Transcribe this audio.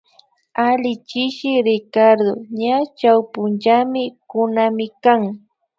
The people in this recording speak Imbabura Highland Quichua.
Alli chishi Ricardo ña chawpunchamikunamikan